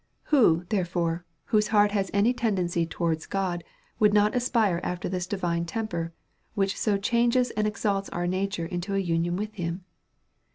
281 Who, therefore, whose heart has any tendency to wards God, would not aspire after this divine temper, which so changes and exalts our nature into an union with him